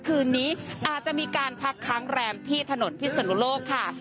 คืนนี้อาจจะมีการพักค้างแรมที่ถนนพิศนุโลกค่ะ